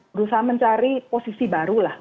berusaha mencari posisi baru lah